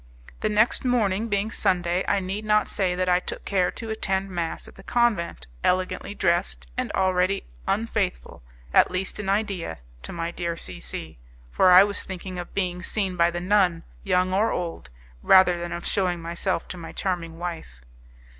The next morning, being Sunday, I need not say that I took care to attend mass at the convent, elegantly dressed, and already unfaithful at least in idea to my dear C C , for I was thinking of being seen by the nun, young or old, rather than of shewing myself to my charming wife.